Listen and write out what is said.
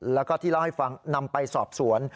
แล้วก็ที่เล่าให้ฟังนำไปสอบสวน